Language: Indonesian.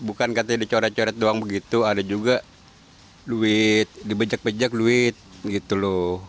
bukan katanya dicoret coret doang begitu ada juga duit dibejak bejak duit gitu loh